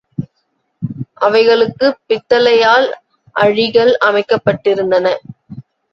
அவைகளுக்குப் பித்தளையால் அழிகள் அமைக்கப்பட்டிருந்தன.